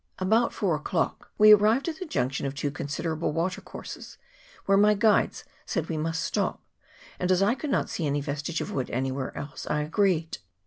About four o'clock we arrived at the junction of two considerable watercourses, where my guides said we must stop, and, as I could not see any vestige of wood anywhere else, I agreed.